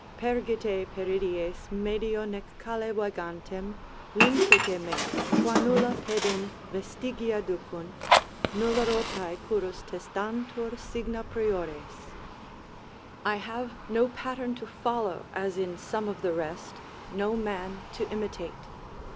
Pergite Pieridies, medio nec calle vagantem Linquite me, qua nulla pedum vestigia ducunt, Nulla rotae currus testantur signa priores. I have no pattern to follow as in some of the rest, no man to imitate.